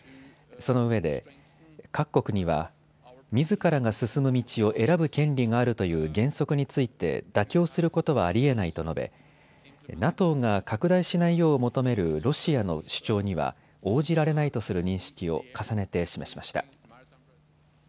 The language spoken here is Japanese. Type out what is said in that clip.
そのうえで、各国にはみずからが進む道を選ぶ権利があるという原則について妥協することはありえないと述べＮＡＴＯが拡大しないよう求めるロシアの主張には応じられないとする認識を重ねて示しました。